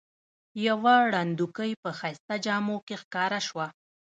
یوه ړندوکۍ په ښایسته جامو کې ښکاره شوه.